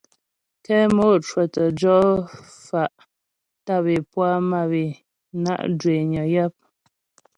Kɛ mò cwə̌tə jɔ fa' tâp é puá mâp é na' zhwényə yap.